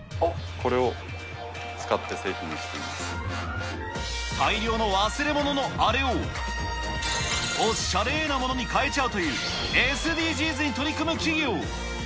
これを使って製品にしていま大量の忘れ物のあれを、おしゃれなものに変えちゃうという、ＳＤＧｓに取り組む企業。